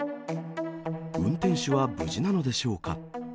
運転手は無事なのでしょうか。